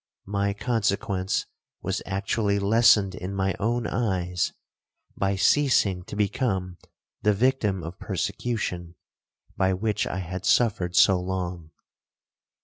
My consequence was actually lessened in my own eyes, by ceasing to become the victim of persecution, by which I had suffered so long.